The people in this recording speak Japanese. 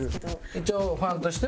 一応ファンとしては。